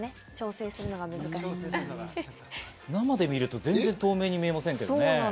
生で見ると全然透明に見えませんけどね。